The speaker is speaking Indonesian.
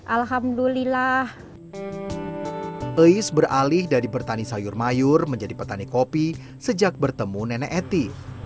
alhamdulillah eis beralih dari bertani sayur mayur menjadi petani kopi sejak bertemu nenek eti